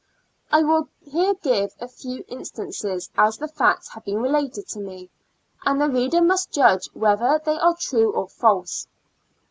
I will here give a few instances as the facts have been related to me, and the reader must judge whether they are true or false.